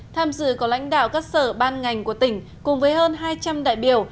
tham dự có lãnh đạo các sở ban ngành của tỉnh cùng với hơn hai trăm linh đại biểu